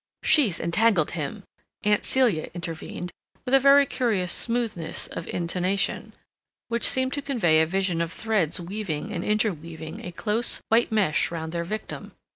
"She entangled him," Aunt Celia intervened, with a very curious smoothness of intonation, which seemed to convey a vision of threads weaving and interweaving a close, white mesh round their victim.